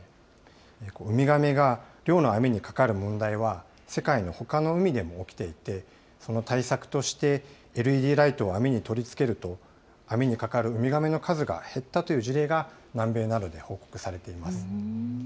ウミガメが漁の網にかかる問題は、世界のほかの海でも起きていて、その対策としてＬＥＤライトを網に取り付けると、網にかかるウミガメの数が減ったという事例が南米などで報告されています。